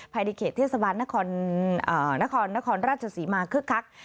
ภายในเขตเทศบาลนครนครราชศรีมาคึกคัก